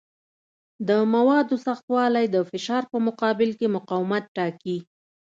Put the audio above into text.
د موادو سختوالی د فشار په مقابل کې مقاومت ټاکي.